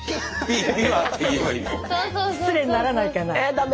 失礼にならないかな？